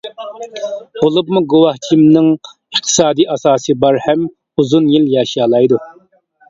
بولۇپمۇ گۇۋاھچىمنىڭ ئىقتىسادى ئاساسى بار ھەم ئۇزۇن يىل ياشىيالايدۇ.